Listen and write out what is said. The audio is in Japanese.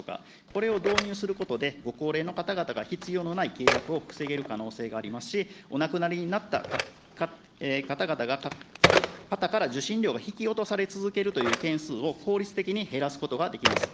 これを導入することで、ご高齢の方々が必要のない契約を防げる可能性がありますし、お亡くなりになった方から受信料が引き落とされ続けるという件数を法律的に減らすことができます。